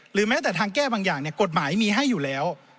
แม้แต่ทางแก้บางอย่างกฎหมายมีให้อยู่แล้ว